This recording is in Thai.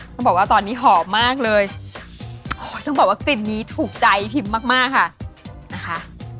ต้องบอกว่าตอนนี้หอมมากเลยต้องบอกว่ากลิ่นนี้ถูกใจพิมมากมากค่ะนะคะ